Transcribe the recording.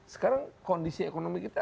sekarang kondisi ekonomi kita